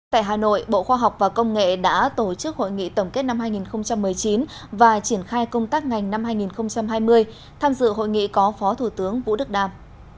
tại hà nội bộ khoa học và công nghệ đã tổ chức hội nghị tổng kết năm hai nghìn một mươi chín và triển khai công tác ngành năm hai nghìn hai mươi tham dự hội nghị có phó thủ tướng vũ đức đam